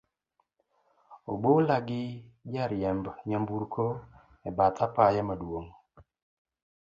obola gi jariemb nyamburko, e bath apaya maduong